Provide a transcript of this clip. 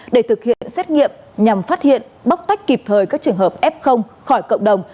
để thực hiện xét nghiệm nhằm phát hiện bóc tách kịp thời các trường hợp f khỏi cộng đồng